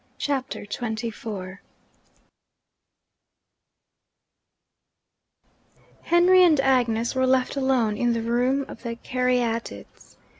CHAPTER XXIV Henry and Agnes were left alone in the Room of the Caryatides.